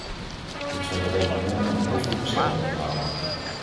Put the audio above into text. Ik zou daarover morgen een hoofdelijke stemming willen houden.